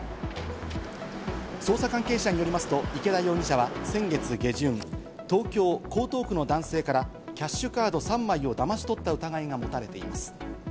捜査関係者によりますと池田容疑者は、先月下旬、東京・江東区の男性からキャッシュカード３枚をだまし取った疑いが持たれています。